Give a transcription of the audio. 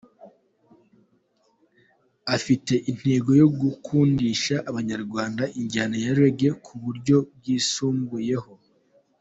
Afite intego yo gukundisha abanyarwanda injyana ya Reggae ku buryo bwisumbuyeho.